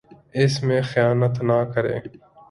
اس میں خیانت نہ کرے